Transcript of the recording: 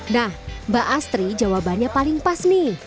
nah mbak astri jawabannya paling pas nih